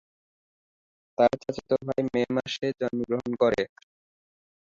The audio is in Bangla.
তার চাচাতো ভাই মে মাসে জন্মগ্রহণ করে।